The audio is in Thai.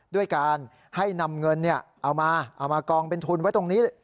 ด้วยการให้นำเงินเอามาเอามากองเป็นทุนไว้ตรงนี้